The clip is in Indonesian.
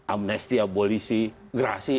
amnesty abolisi gerasi